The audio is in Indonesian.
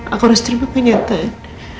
aku harus terima penyataan